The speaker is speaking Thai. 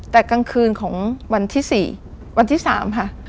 แต่กลางคืนของวันที่๔วันที่๓ค่ะ